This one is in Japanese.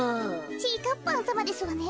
ちぃかっぱさまですわね。